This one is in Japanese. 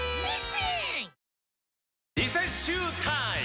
リセッシュータイム！